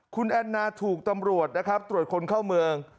คุณแอนนาถูกตำรวจนะครับตรวจคนเข้าเมือง